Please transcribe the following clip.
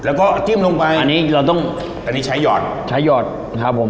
แล้วก็จิ้มลงไปอันนี้เราต้องใช้ยอดครับผม